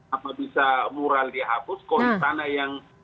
apa bisa mural dihapus konstana yang